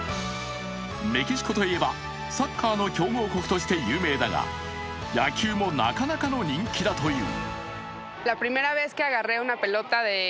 メキシコといえば、サッカーの強豪国として有名だが、野球もなかなかの人気だという。